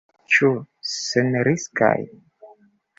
Ĉu senriskaj?